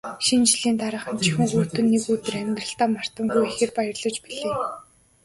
Шинэ жилийн дараахан жихүүн хүйтэн нэг өдөр амьдралдаа мартамгүй ихээр баярлаж билээ.